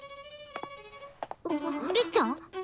りっちゃん？